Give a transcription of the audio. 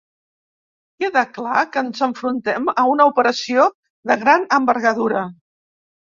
Queda clar que ens enfrontem a una operació de gran envergadura.